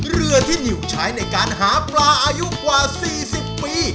เรือที่นิวใช้ในการหาปลาอายุกว่า๔๐ปี